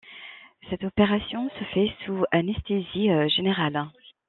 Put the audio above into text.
Cette opération se fait sous anesthésie générale.